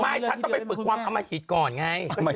มาฉันต้องไปฝึกความคามอาธิตก่อนไง